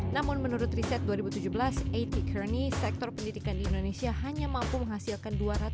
namun menurut riset dua ribu tujuh belas at curreny sektor pendidikan di indonesia hanya mampu menghasilkan